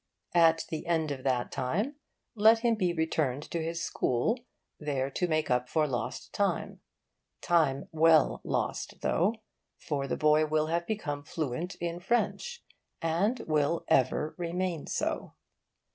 At the end of that time let him be returned to his school, there to make up for lost time. Time well lost, though: for the boy will have become fluent in French, and will ever remain so.